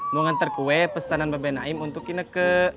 mau ngantar kue pesanan bapak naim untuk ineke